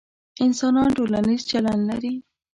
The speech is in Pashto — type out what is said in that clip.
انسانان ټولنیز چلند لري،